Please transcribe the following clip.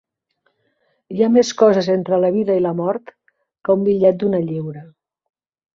Hi ha més coses entre la vida i la mort que un bitllet d'una lliura.